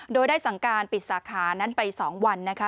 โดยได้สั่งการปิดสาขานั้นไป๒วันนะคะ